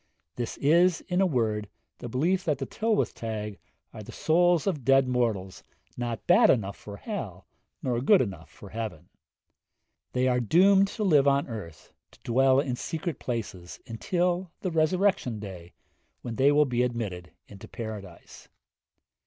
This is, in a word, the belief that the Tylwyth Teg are the souls of dead mortals not bad enough for hell nor good enough for heaven. They are doomed to live on earth, to dwell in secret places, until the resurrection day, when they will be admitted into paradise.